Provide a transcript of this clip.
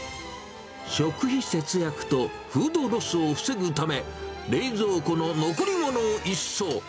食費節約とフードロスを防ぐため、冷蔵庫の残り物を一掃。